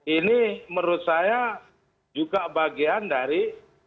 ini menurut saya juga bagian dari